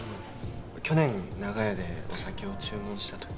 去年長屋でお酒を注文した時。